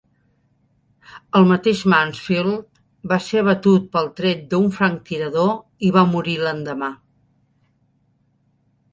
El mateix Mansfield va ser abatut pel tret d'un franctirador i va morir l'endemà.